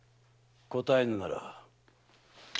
答えぬなら。